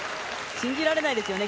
信じられないですよね。